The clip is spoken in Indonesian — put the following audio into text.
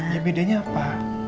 ya bedanya apa